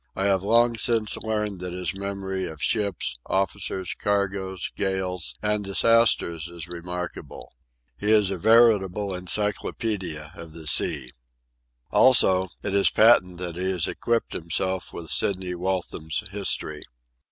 I have long since learned that his memory of ships, officers, cargoes, gales, and disasters is remarkable. He is a veritable encyclopædia of the sea. Also, it is patent that he has equipped himself with Sidney Waltham's history.